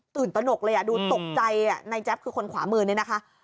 ตื่นตนกเลยดูตกใจในแจ๊บคือคนขวามือนี่นะคะ